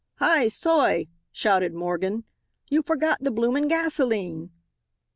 "H'I soy," shouted Morgan, "you forgot the bloomin' gasolene."